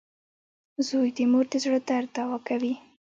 • زوی د مور د زړۀ درد دوا وي.